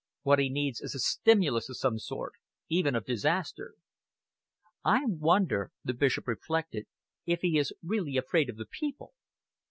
What he needs is a stimulus of some sort, even of disaster." "I wonder," the Bishop reflected, "if he is really afraid of the people?"